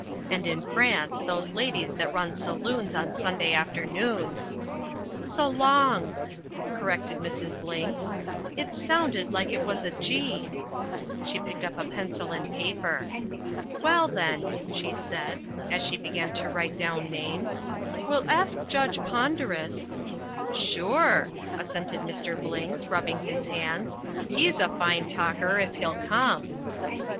And in France those ladies that run saloons on Sunday afternoons " "Sallongs," corrected Mrs. Blinks. "It's sounded like it was a G." She picked up a pencil and paper. "Well, then," she said, as she began to write down names, "we'll ask Judge Ponderus " "Sure!" assented Mr. Blinks, rubbing his hands. "He's a fine talker, if he'll come!"